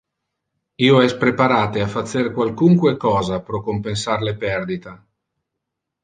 Io es preparate a facer qualcunque cosa pro compensar le perdita.